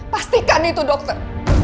pastikan itu dokter